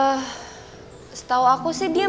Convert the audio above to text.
ehh setau aku sih dia mau nginep di rumah raya nih